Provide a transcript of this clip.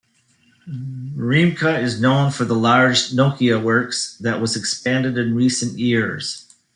Riemke is known for the large Nokia works, that was expanded in recent years.